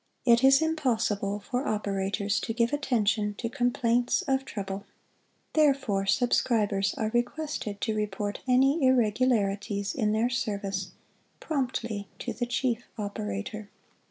It is Impossible for Operators to give attention to complaints of trouble, therefore subscribers are requested to report any irregularities in their service promptly to the Chief Operator.